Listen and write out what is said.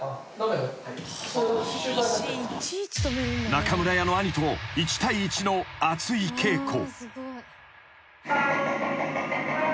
［中村屋の兄と一対一の熱い稽古］